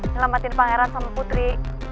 nyelamatin pangeran sama putri